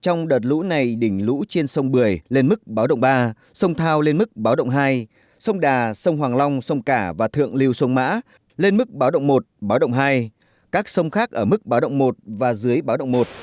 trong đợt lũ này đỉnh lũ trên sông bưởi lên mức báo động ba sông thao lên mức báo động hai sông đà sông hoàng long sông cả và thượng lưu sông mã lên mức báo động một báo động hai các sông khác ở mức báo động một và dưới báo động một